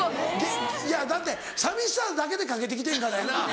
いやだって寂しさだけでかけて来てんからやな。